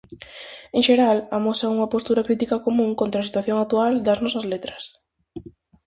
En xeral amosan unha postura crítica común contra a situación actual das nosas letras.